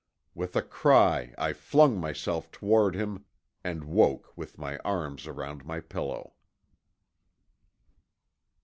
With a cry I flung myself toward him and woke with my arms around my pillow.